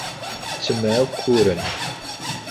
Ttemɛukkureɣ.